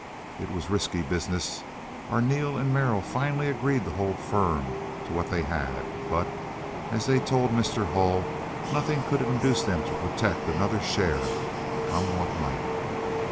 It was risky business. Arneel and Merrill finally agreed to hold firm to what they had; but, as they told Mr. Hull, nothing could induce them to "protect" another share, come what might.